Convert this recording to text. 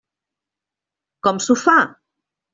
Com s'ho fa?